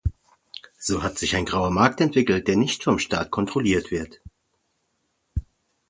So hat sich ein grauer Markt entwickelt, der nicht vom Staat kontrolliert wird.